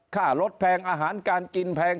ค่ารถแพงอาหารการกินแพง